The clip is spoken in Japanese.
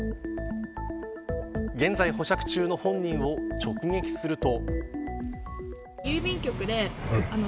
現在保釈中の本人を直撃すると。